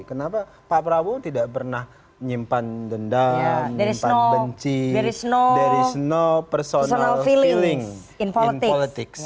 kenapa pak prabowo tidak pernah nyimpan dendam nyimpan benci there is no personal feeling in politics